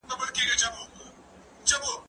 زه پرون ليکلي پاڼي ترتيب کړل،